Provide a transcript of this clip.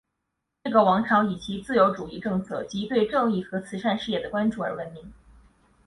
这个王朝以其自由主义政策以及对正义和慈善事业的关注而闻名。